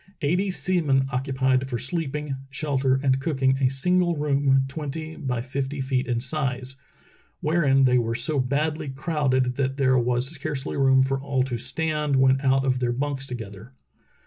Eighty sea men occupied for sleeping, shelter, and cooking a single room twenty by fifty feet in size, wherein they were so badly crowded that there was scarcely room for all to stand when out of their bunks together.